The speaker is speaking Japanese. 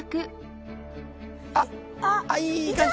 あっいい感じ！